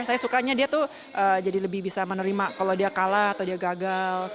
saya sukanya dia tuh jadi lebih bisa menerima kalau dia kalah atau dia gagal